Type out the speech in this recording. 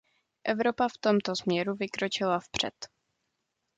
Evropa v tomto směru vykročila vpřed.